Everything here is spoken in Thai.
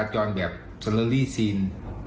อ้าว